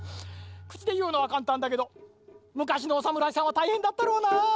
くちでいうのはかんたんだけどむかしのおさむらいさんはたいへんだったろうなぁ。